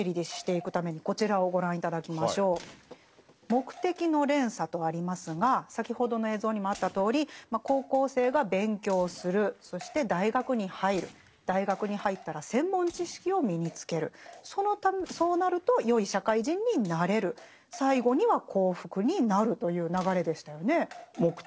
「目的の連鎖」とありますが先ほどの映像にもあったとおり高校生が勉強するそして大学に入る大学に入ったら専門知識を身につけるそうなるとよい社会人になれる最後には幸福になるという流れでしたよね。